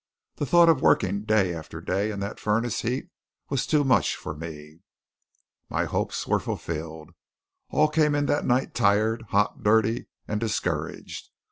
The thought of working day after day in that furnace heat was too much for me. My hopes were fulfilled. All came in that night tired, hot, dirty, and discouraged.